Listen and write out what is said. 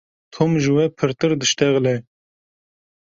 Tom ji we pirtir dişitexile.